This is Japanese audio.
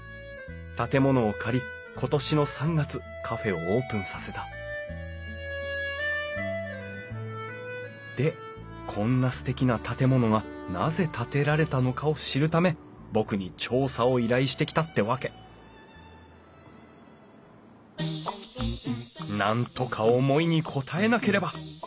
建物を借り今年の３月カフェをオープンさせたでこんなすてきな建物がなぜ建てられたのかを知るため僕に調査を依頼してきたってわけなんとか思いに応えなければ！